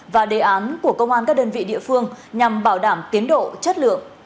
và đề án của công an các đơn vị địa phương nhằm bảo đảm tiến độ chất lượng